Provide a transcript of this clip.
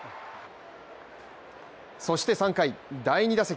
そして３回、第２打席。